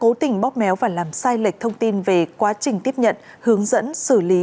cố tình bóp méo và làm sai lệch thông tin về quá trình tiếp nhận hướng dẫn xử lý